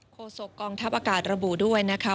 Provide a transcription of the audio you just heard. โศกองทัพอากาศระบุด้วยนะคะ